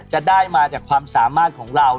จะได้มาจากความสามารถของเรา